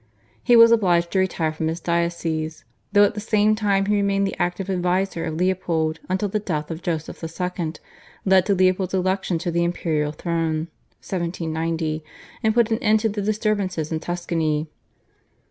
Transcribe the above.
He was obliged to retire from his diocese, though at the same time he remained the active adviser of Leopold until the death of Joseph II. led to Leopold's election to the imperial throne (1790), and put an end to the disturbances in Tuscany.